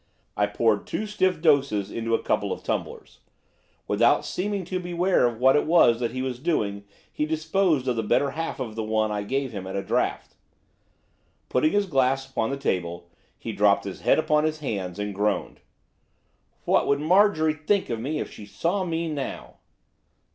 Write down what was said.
I poured two stiff doses into a couple of tumblers. Without seeming to be aware of what it was that he was doing he disposed of the better half of the one I gave him at a draught. Putting his glass upon the table, he dropped his head upon his hands, and groaned. 'What would Marjorie think of me if she saw me now?